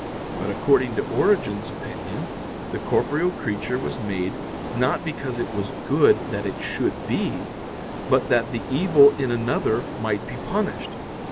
But according to Origen's opinion, the corporeal creature was made, not because it was good that it should be, but that the evil in another might be punished.